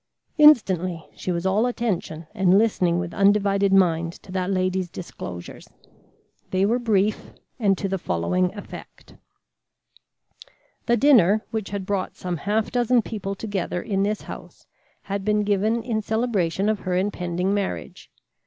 Instantly, she was all attention and listening with undivided mind to that lady's disclosures. They were brief and to the following effect: The dinner which had brought some half dozen people together in this house had been given in celebration of her impending marriage.